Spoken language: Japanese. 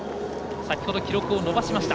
先ほど記録を伸ばしました。